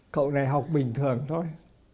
cậu này học bình thường thôi